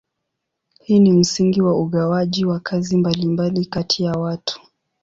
Hii ni msingi wa ugawaji wa kazi mbalimbali kati ya watu.